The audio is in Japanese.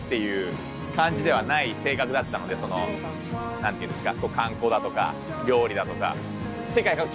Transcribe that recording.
何ていうんですか？